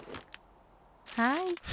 はい。